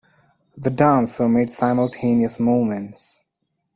The dancer made simultaneous movements.